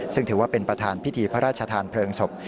ซึ่งถือว่าเป็นประธานพิธีพระราชทานเพลิงศพ